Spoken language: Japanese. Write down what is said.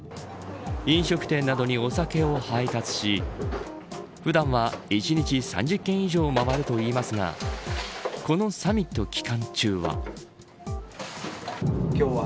飲食店などにお酒を配達し普段は１日３０軒以上回るといいますがこのサミット期間中は。